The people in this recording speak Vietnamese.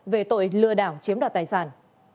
về tội lừa đảo chiếm đoạt tài sản